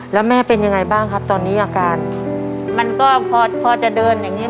แล้วแม่เป็นยังไงบ้างครับตอนนี้อาการมันก็พอพอจะเดินอย่างเงี้